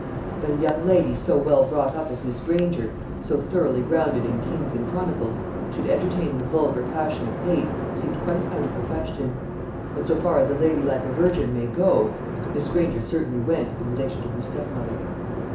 That a young lady so well brought up as Miss Granger so thoroughly grounded in Kings and Chronicles should entertain the vulgar passion of hate, seemed quite out of the question; but so far as a ladylike aversion may go, Miss Granger certainly went in relation to her step mother.